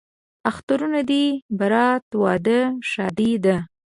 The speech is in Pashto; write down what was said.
اخترونه دي برات، واده، ښادي ده